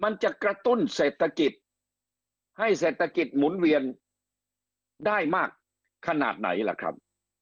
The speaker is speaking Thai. มันจะกระตุ้นเศรษฐกิจให้เศรษฐกิจหมุนเวียนได้มากขนาดไหนล่ะครับ